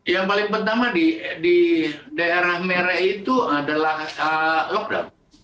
yang paling pertama di daerah merah itu adalah lockdown